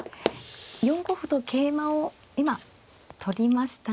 ４五歩と桂馬を今取りましたが。